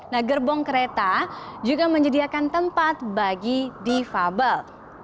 nah gerbong kereta juga menyediakan tempat bagi defable